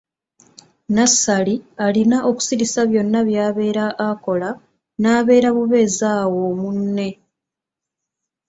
Nassali alina okusirisa byonna by'abeera akola n'abeera bubeezi awo munne.